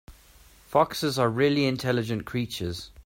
Foxes are really intelligent creatures.